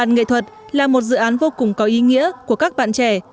nghệ thuật là một dự án vô cùng có ý nghĩa của các bạn trẻ